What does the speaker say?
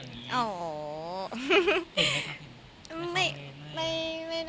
เห็นไหมคักเห็น